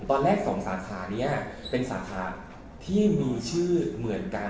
ตอนแรก๒สาธารณ์นี้เป็นสาธารณ์ที่มือชื่อเหมือนกัน